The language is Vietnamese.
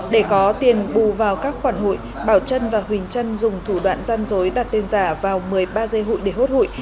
để có tiền bù vào các khoản hụi bảo trân và huỳnh trân dùng thủ đoạn gian dối đặt tên giả vào một mươi ba dây hụi để hốt hụi